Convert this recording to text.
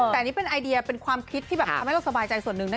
แต่อันนี้เป็นไอเดียเป็นความคิดที่แบบทำให้เราสบายใจส่วนหนึ่งนะ